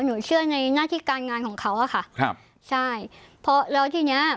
หนูเชื่อในหน้าที่การงานของเขาอะค่ะครับใช่เพราะแล้วทีเนี้ย